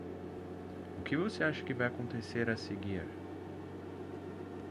O que você acha que vai acontecer a seguir?